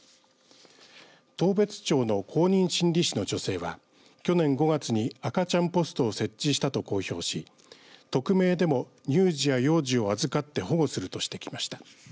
当別町の公認心理師の女性は去年５月に赤ちゃんポストを設置したと公表し匿名でも乳児や幼児を預かって保護するとしてきました。